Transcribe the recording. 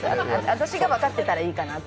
私が分かってればいいかなって。